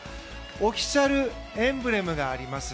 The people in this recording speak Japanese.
オフィシャルエンブレムがあります。